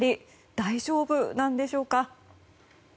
大丈夫なんでしょうか？